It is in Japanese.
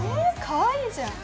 かわいいじゃん